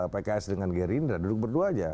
pks dengan gerindra duduk berdua aja